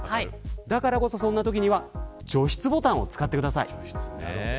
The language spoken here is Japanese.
だからこそ、そんなときは除湿ボタンを使ってください。